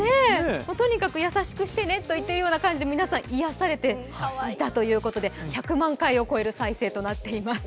とにかく優しくしてねと言っているようで皆さん癒やされていたということで１００万回を超える再生となっています。